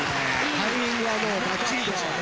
タイミングはもうばっちりでしたね。